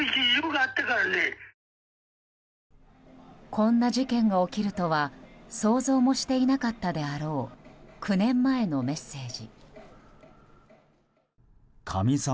こんな事件が起きるとは想像もしていなかったであろう９年前のメッセージ。